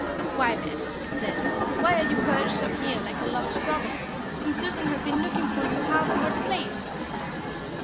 "Why, Bet," it said, "why are you perched up here, like a lost robin? And Susan has been looking for you half over the place."